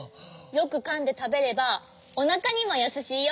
よくかんでたべればおなかにもやさしいよ。